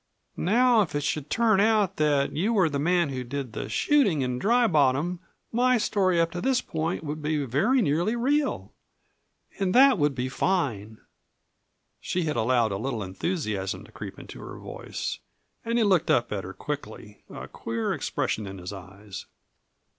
Now if it should turn out that you were the man who did the shooting in Dry Bottom my story up to this point would be very nearly real. And that would be fine!" She had allowed a little enthusiasm to creep into her voice, and he looked up at her quickly, a queer expression in his eyes.